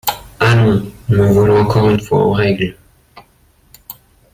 Allons ! me voilà encore une fois en règle.